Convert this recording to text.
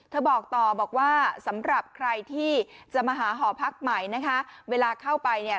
บอกต่อบอกว่าสำหรับใครที่จะมาหาหอพักใหม่นะคะเวลาเข้าไปเนี่ย